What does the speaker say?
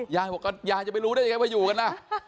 ยายจะไม่รู้ได้อยู่ไงน่ะ